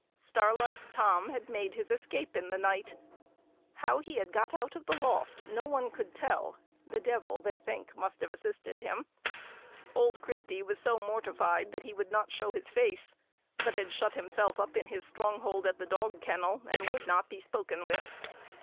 Starlight Tom had made his escape in the night; how he had got out of the loft no one could tell; the devil, they think, must have assisted him. Old Christy was so mortified that he would not show his face, but had shut himself up in his stronghold at the dog kennel, and would not be spoken with.